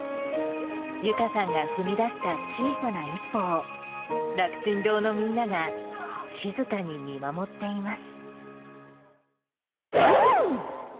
ユカさんが踏み出した小さな一歩を楽ちん堂のみんなが静かに見守っています。